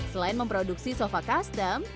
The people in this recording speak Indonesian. selain memproduksi sofa custom